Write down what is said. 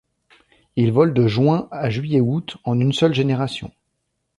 Il vole de juin à juillet-août, en une seule génération.